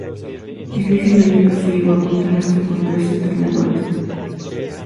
Difícil año que se llegó a contar hasta con tres entrenadores.